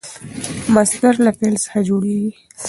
مصدر له فعل څخه جوړېږي.